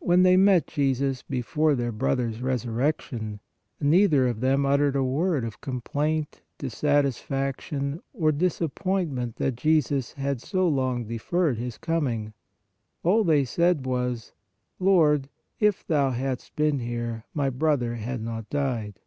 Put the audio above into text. When they met Jesus before their brother s resurrection, neither of them uttered a word of complaint, dissatisfaction or disappointment that Jesus had so long deferred His coming: all they said was: "Lord, if Thou hadst been here, my brother had not died."